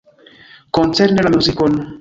Koncerne la muzikon.